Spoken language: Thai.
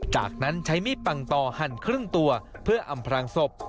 จากนั้นใช้มีดปังต่อหั่นครึ่งตัวเพื่ออำพรางศพ